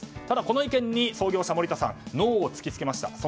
ただ、この意見に創業者の盛田さんはノーを突きつけました。